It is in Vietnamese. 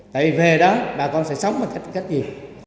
tại vì về đó bà con sẽ sống bằng cách gì